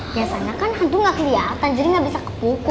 biasanya kan hantu gak keliatan jadi gak bisa kepukul